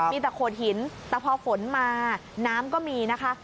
มีแต่โขดหินแต่พอฝนมาน้ำก็มีนะคะ